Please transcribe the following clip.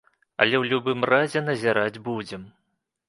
Але ў любым разе назіраць будзем.